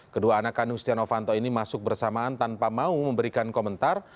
kedua anak kandung stiano fanto ini masuk bersamaan tanpa mau memberikan komentar